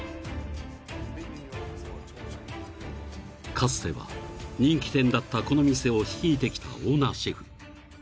［かつては人気店だったこの店を率いてきたオーナーシェフ］